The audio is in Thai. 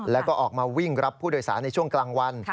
แล้วก็ออกมาวิ่งรับผู้โดยสารในช่วงกลางวัน